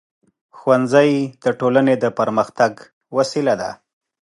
ښوونځی د ټولنې د پرمختګ وسیله ده.